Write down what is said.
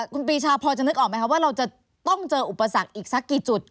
คุณปีชาพอจะนึกออกไหมคะว่าเราจะต้องเจออุปสรรคอีกสักกี่จุด